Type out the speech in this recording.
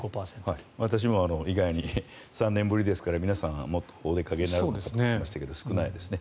私も、意外に３年ぶりですから皆さんもっとお出かけになるかと思いましたが少ないですね。